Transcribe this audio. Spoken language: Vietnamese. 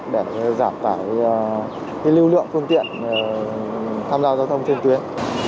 để giảm tải lưu lượng phương tiện tham gia giao thông trên tuyến